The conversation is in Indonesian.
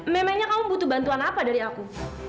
memangnya kamu butuh bantuan apa dari aku